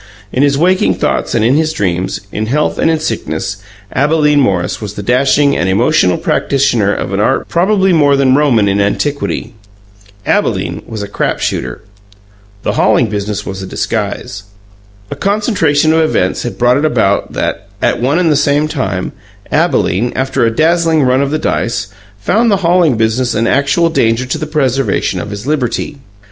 In his waking thoughts and in his dreams, in health and in sickness, Abalene Morris was the dashing and emotional practitioner of an art probably more than Roman in antiquity. Abalene was a crap shooter. The hauling business was a disguise. A concentration of events had brought it about that, at one and the same time, Abalene, after a dazzling run of the dice, found the hauling business an actual danger to the preservation of his liberty.